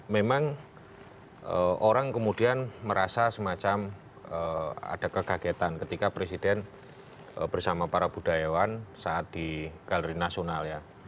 memang orang kemudian merasa semacam ada kegagetan ketika presiden bersama para budayawan saat di galeri nasional ya